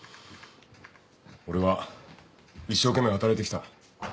俺は一生懸命働いてきた。